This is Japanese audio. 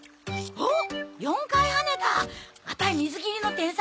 おっ！